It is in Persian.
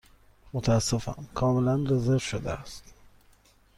متأسفم، کاملا رزرو شده است.